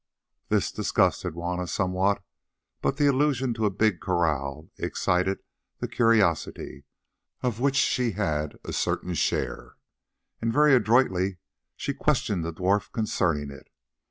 This disgusted Juanna somewhat, but the allusion to a "big kraal" excited the curiosity, of which she had a certain share, and very adroitly she questioned the dwarf concerning it.